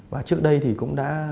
và trước đây thì cũng đã